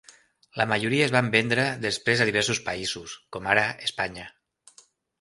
La majoria es van vendre després a diversos països, com ara Espanya.